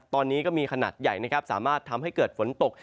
ตอนนี้ก็มีขนาดใหญ่นะครับสามารถทำให้เกิดฝนตก